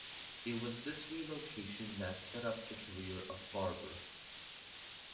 It was this relocation that setup the career of Barber.